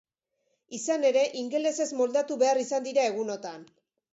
Izan ere, ingelesez moldatu behar izan dira egunotan.